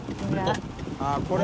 あっこれ。